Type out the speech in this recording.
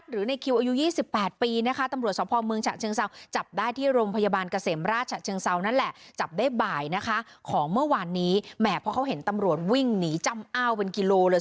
แหม่เพราะเขาเห็นตำรวจวิ่งหนีจำอ้าวเป็นกิโลเลย